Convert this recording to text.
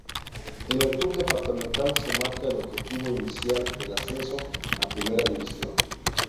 En el club departamental se marca el objetivo inicial del ascenso a Primera División.